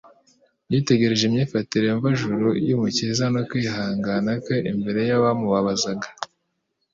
Yitegereje imyifatire mvajuru y'Umukiza no kwihangana kwe imbere y'abamubabazaga.